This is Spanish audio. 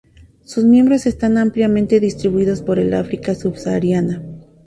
Sus miembros están ampliamente distribuidos por el África subsahariana.